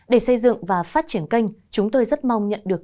để xây dựng và phát triển kênh chúng tôi rất mong nhận được